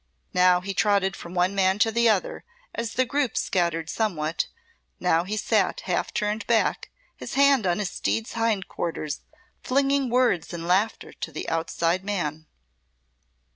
Now he trotted from one man to the other as the group scattered somewhat; now he sat half turned back, his hand on his steed's hind quarters, flinging words and laughter to the outside man.